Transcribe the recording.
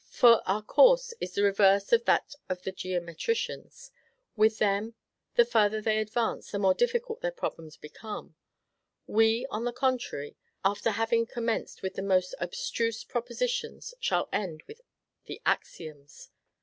For our course is the reverse of that of the geometricians: with them, the farther they advance, the more difficult their problems become; we, on the contrary, after having commenced with the most abstruse propositions, shall end with the axioms.